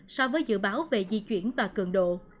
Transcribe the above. so với dự báo về di chuyển và cường độ